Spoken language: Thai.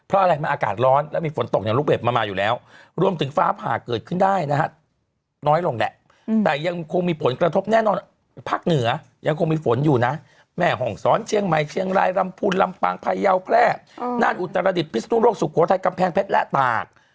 รำพุนรำปังภัยเยาแพร่นานอุตรศาสตร์ระดิษฐ์พิสุทธิ์โลกสุขโขทัยกำแพงแพ็ดและตาก